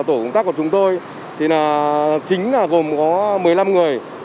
tổ công tác của chúng tôi chính gồm có một mươi năm người